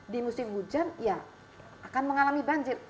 di musim hujan ya akan mengalami banjir